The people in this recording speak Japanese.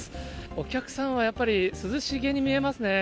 お客さんはやっぱり、涼しげに見えますね。